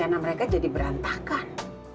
dan rencana mereka jadi berantakan